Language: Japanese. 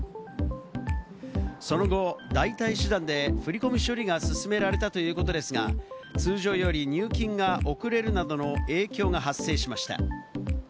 その後、代替手段で振り込み処理が進められたということですが、通常より入金が遅れるなどの影響が発生しました。